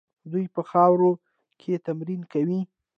دوی په خاورو کې تمرین کوي.